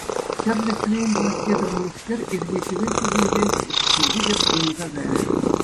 Хӗрлӗ кӗрен платье тӑхӑннӑскер, ирхи хӗвел ҫутинче вут кӗлти пек туйӑнса кайрӗ.